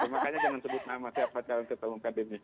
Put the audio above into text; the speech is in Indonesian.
makanya jangan sebut nama siapa calon ketua umum akademi